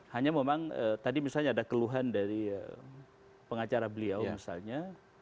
hanya memang tadi misalnya ada keluhan dari pengacara beliau misalnya